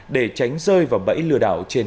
để tránh rơi vào bẫy lừa đảo